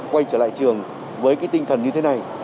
quay trở lại trường với cái tinh thần như thế này